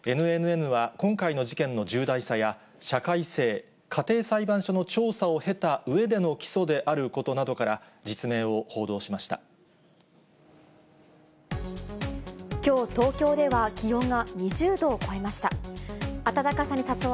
ＮＮＮは、今回の事件の重大さや、社会性、家庭裁判所の調査を経たうえでの起訴であることなどから、実名をきょう、東京では気温が２０度を超えました。